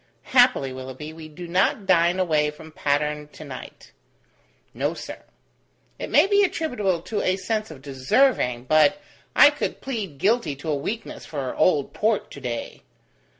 Happily, Willoughby, we do not dine away from Patterne to night." "No, sir." "It may be attributable to a sense of deserving, but I could plead guilty to a weakness for old Port to day."